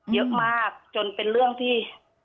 เยอะมากจนเป็นเรื่องที่